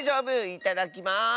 いただきます！